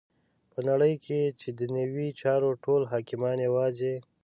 په نړی کی چی ددنیوی چارو ټول حاکمان یواځی